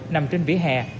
nằm trên vỉa hè